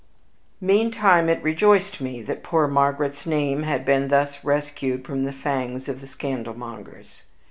Meantime, it rejoiced me that poor Margaret's name had been thus rescued from the fangs of the scandalmongers.